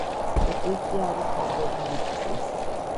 ეკლესია არის დარბაზული ტიპის.